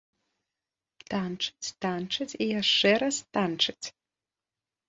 Танчыць, танчыць і яшчэ раз танчыць!